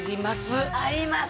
あります。